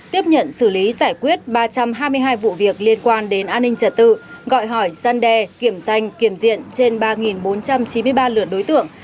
tiếp nhận xử lý giải quyết ba trăm hai mươi hai vụ việc liên quan đến an ninh trật tự gọi hỏi gian đe kiểm danh kiểm diện trên ba bốn trăm chín mươi ba lượt đối tượng